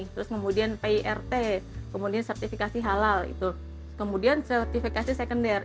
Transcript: terus kemudian pirt kemudian sertifikasi halal itu kemudian sertifikasi second